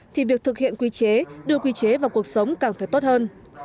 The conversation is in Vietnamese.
thì việc thực hiện quy chế đưa quy chế vào cuộc sống càng phải tốt hơn